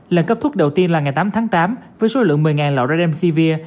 lần cấp thuốc đầu tiên là ngày tám tháng tám với số lượng một mươi lọ radcvir